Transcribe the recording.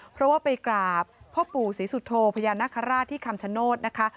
เพราะว่าไปกราบพ่อปู่ศรีสุโธพญานาคาราชที่คำชโนธนะคะ